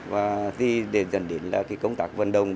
và thì dần đến là công tác vận động